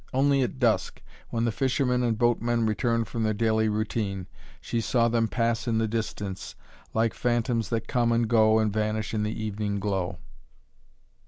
Only at dusk, when the fishermen and boatmen returned from their daily routine, she saw them pass in the distance, like phantoms that come and go and vanish in the evening glow.